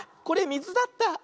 これみずだった。